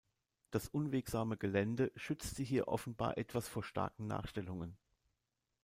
Das unwegsame Gelände schützt sie hier offenbar etwas vor starken Nachstellungen.